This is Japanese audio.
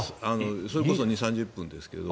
それこそ２０３０分ですけど。